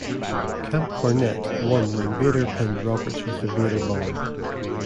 Camp Cornette won when Vader pinned Roberts with the Vader Bomb.